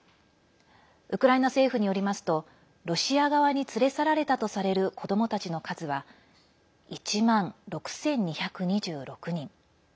ウクライナ政府によりますとロシア側に連れ去られたとされる子どもたちの数は１万６２２６人。